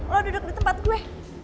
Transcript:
lo duduk di tempat gue